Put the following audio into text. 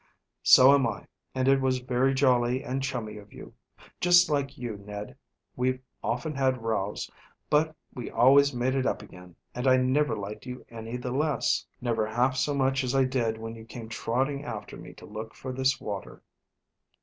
"So am I, and it was very jolly and chummy of you. Just like you, Ned. We've often had rows, but we always made it up again, and I never liked you any the less. Never half so much as I did when you came trotting after me to look for this water."